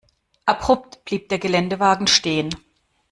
Abrupt blieb der Geländewagen stehen.